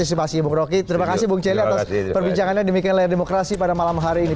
terima kasih bung roky terima kasih bung celi atas perbincangannya demikian layar demokrasi pada malam hari ini